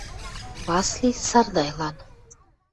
Васли Сардайлан.